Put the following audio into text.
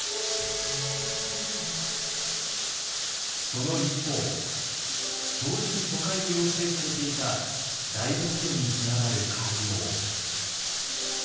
その一方同時に疎開を要請されていた大仏殿につながる廻廊。